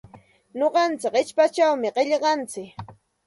Nuqantsik qichpachawmi qillqantsik.